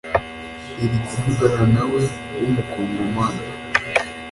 irikuvugana nawe w’umu kongomani